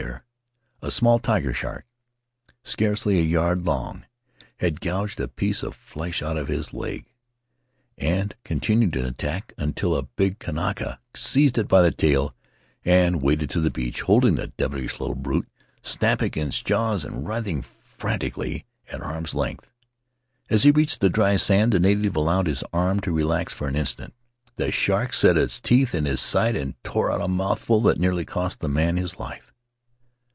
Faery Lands of the South Seas A small tiger shark, scarcely a yard long, had gouged a piece of flesh out of his leg, and continued to attack until a big Kanaka seized it by the tail and waded to the beach, holding the devilish little brute, snapping its jaws and writhing frantically, at arm's length. As he reached the dry sand the native allowed his arm to relax for an instant; the shark set its teeth in his side and tore out a mouthful that nearly cost the man his life."